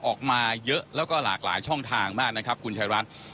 ออกมาเยอะแล้วก็หลากหลายช่องทางมากนะครับคุณชายรัฐ